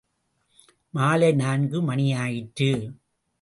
மாலை நான்கு மணியாயிற்று.